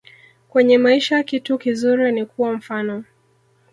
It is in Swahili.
Kwenye maisha kitu kizuri ni kuwa mfano